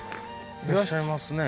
いらっしゃいますね。